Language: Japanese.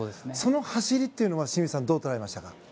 その走りというのは清水さん、どう捉えましたか？